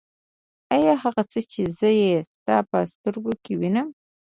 آيا هغه څه چې زه يې ستا په سترګو کې وينم.